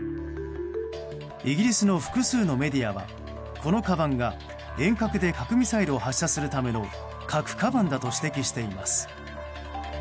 イギリスの複数のメディアはこのかばんが、遠隔で核ミサイルを発射するための核かばんだと指摘しています。